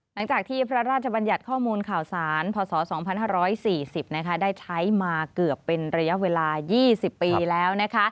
หลังจากที่พระราชบัญญัติข้อมูลข่าวสารพศ๒๕๔๐ได้ใช้มาเกือบเป็นระยะเวลา๒๐ปีแล้ว